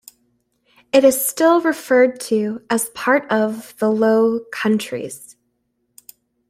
It is still referred to as part of the "low countries".